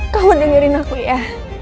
kamu dengerin aku ya